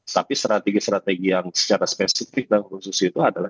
tapi strategi strategi yang secara spesifik dalam konstitusi itu adalah